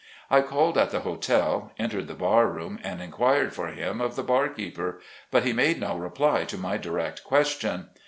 I called at the hotel, entered the bar room, and enquired for him of the bar keeper, but he made no reply to my direct question.